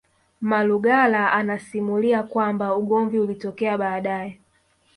Malugala anasimulia kwamba ugomvi ulitokea baadae